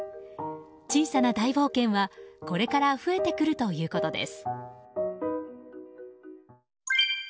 小さな大冒険は、これから増えてくるということです。